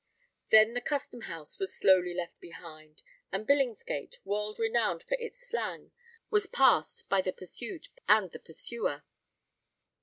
Then the Custom House was slowly left behind; and Billingsgate, world renowned for its slang, was passed by the pursued and the pursuer.